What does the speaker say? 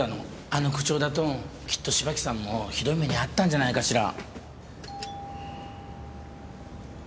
あの口調だときっと芝木さんもひどい目に遭ったんじゃないかしら。